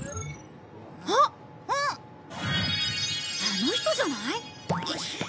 あの人じゃない？